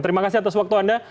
terima kasih atas waktu anda